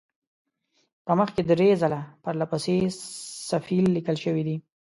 په مخ کې درې ځله پرله پسې صفیل لیکل شوی دی.